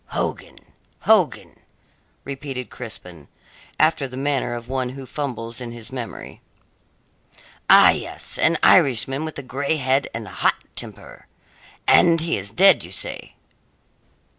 "Hogan Hogan?" repeated Crispin, after the manner of one who fumbles in his memory. "Ah, yes an Irishman with a grey head and a hot temper. And he is dead, you say?"